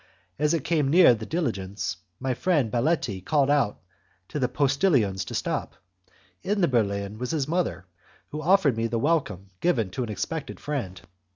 As it came near the diligence, my friend Baletti called out to the postillions to stop. In the berlin was his mother, who offered me the welcome given to an expected friend.